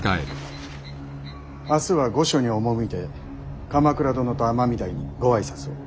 明日は御所に赴いて鎌倉殿と尼御台にご挨拶を。